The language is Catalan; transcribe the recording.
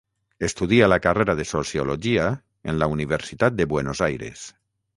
Estudia la carrera de Sociologia en la Universitat de Buenos Aires.